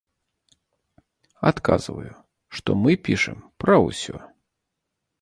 Адказваю, што мы пішам пра ўсё.